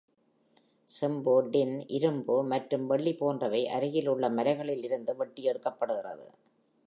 செம்பு, டின், இரும்பு மற்றும் வெள்ளி போன்றவை அருகில் உள்ள மலைகளில் இருந்து வெட்டியெடுக்கப்படுகிறது.